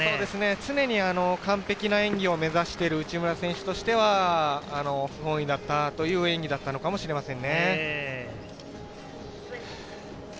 常に完璧な演技を目指している内村選手としては不本意だったなという演技だったかもしれません。